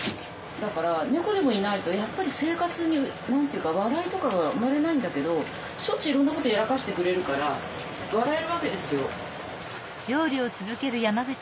だから猫でもいないとやっぱり生活に何て言うか笑いとかが生まれないんだけどしょっちゅういろんなことやらかしてくれるから笑えるわけですよ。